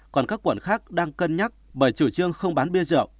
còn các quận khác đang cân nhắc bởi chủ trương không bán bia rượu